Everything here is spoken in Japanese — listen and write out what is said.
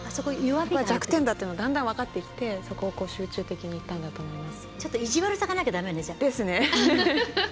弱点だというのがだんだん分かってきて集中的にいったんだと思います。